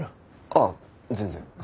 ああ全然。